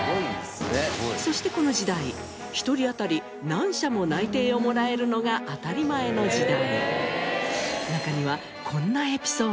そしてこの時代１人当たり何社も内定をもらえるのが当たり前の時代。